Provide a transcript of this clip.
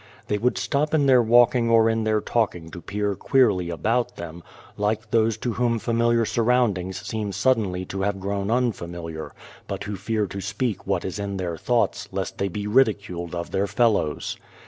They would stop in their walking or in their talking to peer queerly about them, like those to whom familiar sur roundings seem suddenly to have grown unfamiliar, but who fear to speak what is in their thoughts lest they be ridiculed of their fellows.